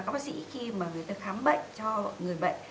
bác sĩ khi mà người ta khám bệnh cho người bệnh